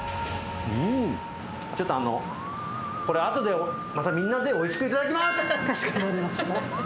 うん、ちょっとあの、これあとでまたみんなで、おいしく頂きます！